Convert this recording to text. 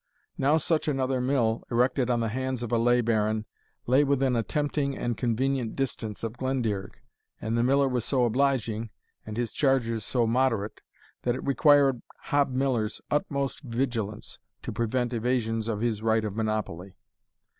Now such another mill, erected on the lands of a lay baron, lay within a tempting and convenient distance of Glendearg; and the Miller was so obliging, and his charges so moderate, that it required Hob Miller's utmost vigilance to prevent evasions of his right of monopoly.